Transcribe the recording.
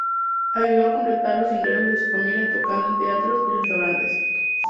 Ayudó a complementar los ingresos de su familia tocando en teatros y restaurantes.